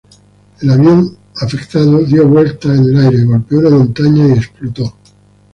El avión afectado dio vueltas en el aire, golpeó una montaña, y explotó.